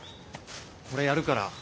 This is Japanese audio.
これやるから。